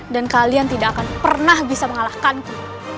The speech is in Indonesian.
dan kalian tidak akan pernah bisa mengalahkanku